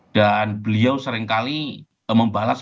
dan beliau seringkali membahas